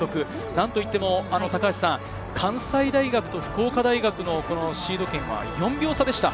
なんといっても高橋さん、関西大学と福岡大学のシード権は４秒差でした。